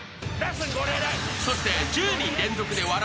［そして］